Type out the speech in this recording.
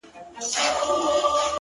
ډبري غورځوې تر شا لاسونه هم نیسې”